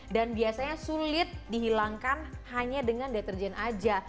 dan biasanya sulit dihilangkan hanya dengan deterjen aja